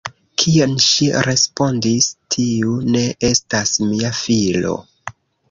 Kion ŝi respondis:"Tiu ne estas mia filo!